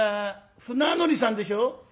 船乗りさんでしょ？」。